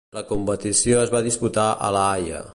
La competició es va disputar a La Haia.